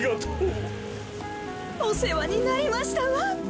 おせわになりましたわ。